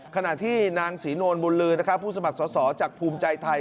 ขณะที่นางศรีโนลบุญลืนผู้สมัครส่อจากภูมิใจไทย